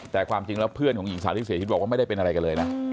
แต่ความจริงแล้วเพื่อนของหญิงสาวที่เสียชีวิตบอกว่าไม่ได้เป็นอะไรกันเลยนะ